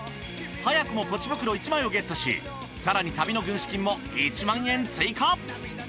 早くもポチ袋１枚をゲットし更に旅の軍資金も１万円追加！